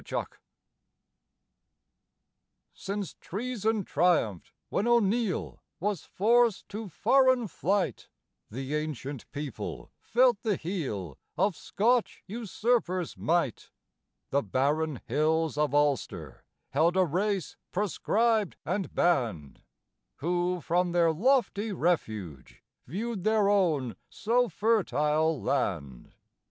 Benburb Since treason triumphed when O'Neill was forced to foreign flight, The ancient people felt the heel of Scotch usurper's might; The barren hills of Ulster held a race proscribed and banned Who from their lofty refuge viewed their own so fertile land.